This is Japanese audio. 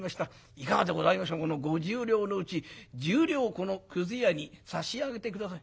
いかがでございましょうこの五十両のうち十両をこのくず屋に差し上げて下さい。